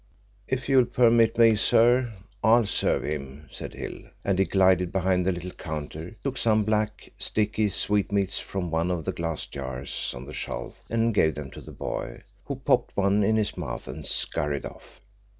"If you'll permit me, sir, I'll serve him," said Hill and he glided behind the little counter, took some black sticky sweetmeats from one of the glass jars on the shelf and gave them to the boy, who popped one in his mouth and scurried off.